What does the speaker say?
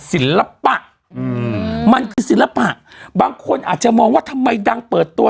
ศิลปะอืมมันคือศิลปะบางคนอาจจะมองว่าทำไมดังเปิดตัว